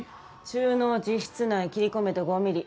中脳実質内切り込めて５ミリ。